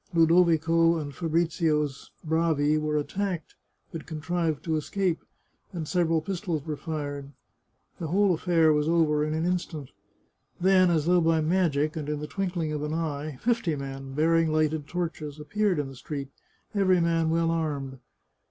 Ludovico and Fabrizio's bravi were attacked, but contrived to escape, and several pistols were fired. The whole affair was over in an instant. Then, as though by magic, and in the twinkling of an eye, fifty men, bearing lighted torches, appeared in the street, every man well armed.